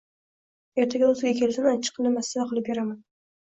Ertaga o`ziga kelsin, achchiqqina mastava qilib beraman